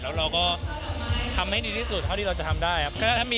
แล้วเราก็ทำให้ดีที่สุดเท่าที่เราจะทำได้ครับ